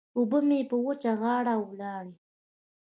اوبه مې په وچه غاړه ولاړې.